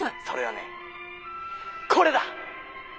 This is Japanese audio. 「それはねこれだ！」。